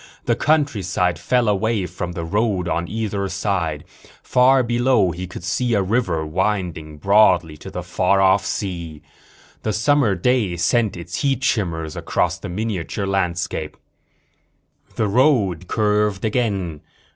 The countryside fell away from the road on either side. Far below he could see a river, winding broadly to the far off sea. The summer day sent its heat shimmers across the miniature landscape. The road curved again.